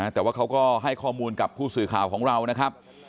แต่ว่าเขาก็ให้ข้อมูลกับผู้สื่อข่าวของเรานะครับ